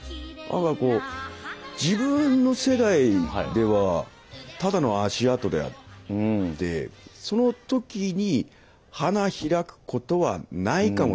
何かこう自分の世代ではただの足あとであってその時に花開くことはないかもしれませんよと。